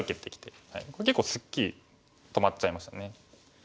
これ結構すっきり止まっちゃいましたね。